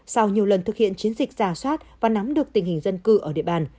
sau nhiều lần thực hiện chiến dịch giả soát và nắm được tình hình dân cư ở địa bàn